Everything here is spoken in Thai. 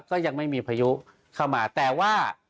ก็ยังไม่มีพายุเข้ามาแต่ว่า